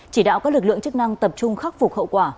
chỉ đạo các lực lượng chức năng tập trung khắc phục hậu quả